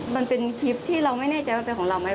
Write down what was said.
มันเป็นคลิปที่เราไม่แน่ใจว่าเป็นของเราไหม